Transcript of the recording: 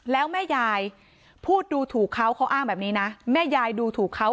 แล้วแม่ยายพูดดูถูกเขาเขาอ้างแบบนี้นะแม่ยายดูถูกเขา